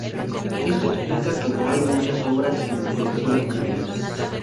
Esto explica que no haya muchas obras en colecciones públicas.